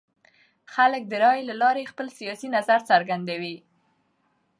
خلک د رایې له لارې خپل سیاسي نظر څرګندوي